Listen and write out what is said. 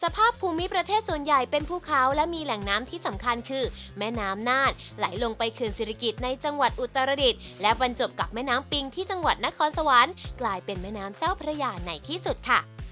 ภาพภูมิประเทศส่วนใหญ่เป็นภูเขาและมีแหล่งน้ำที่สำคัญคือแม่น้ำน่านไหลลงไปเขื่อนศิริกิจในจังหวัดอุตรดิษฐ์และบรรจบกับแม่น้ำปิงที่จังหวัดนครสวรรค์กลายเป็นแม่น้ำเจ้าพระยาไหนที่สุดค่ะ